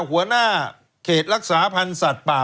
หัวหน้าเขตรักษาพันธ์สัตว์ป่า